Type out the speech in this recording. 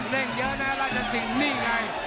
เร่งเยอะนะราชสิงห์นี่ไง